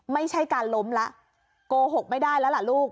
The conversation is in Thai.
ไม่ใช่การล้มแล้วโกหกไม่ได้แล้วล่ะลูก